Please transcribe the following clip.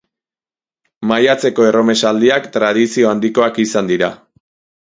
Maiatzeko erromesaldiak tradizio handikoak izan dira.